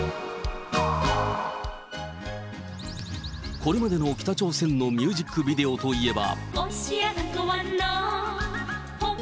これまでの北朝鮮のミュージックビデオといえば。